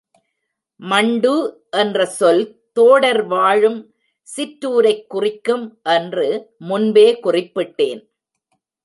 மண்டு என்ற சொல் தோடர் வாழும் சிற்றூரைக் குறிக்கும் என்று முன்பே குறிப்பிட்டேன்.